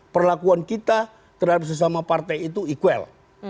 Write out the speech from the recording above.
perlakuan kita terhadap sesama partai itu equal